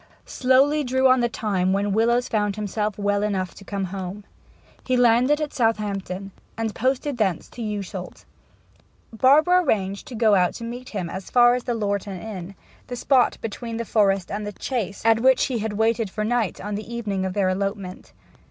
Slowly drew on the time when Willowes found himself well enough to come home. He landed at Southampton, and posted thence towards Yewsholt. Barbara arranged to go out to meet him as far as Lornton Inn the spot between the Forest and the Chase at which he had waited for night on the evening of their elopement.